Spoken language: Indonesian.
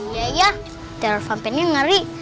iya iya teror vampirnya ngeri